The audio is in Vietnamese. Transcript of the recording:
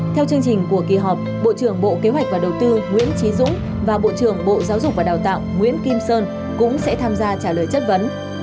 theo chương trình của kỳ họp bộ trưởng bộ kế hoạch và đầu tư nguyễn trí dũng và bộ trưởng bộ giáo dục và đào tạo nguyễn kim sơn cũng sẽ tham gia trả lời chất vấn